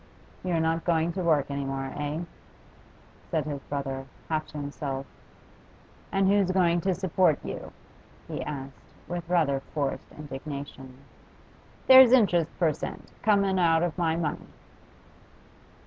'You're not going to work any more, eh?' said his brother, half to himself. 'And who's going to support you?' he asked, with rather forced indignation. 'There's interest per cent. coming out of my money.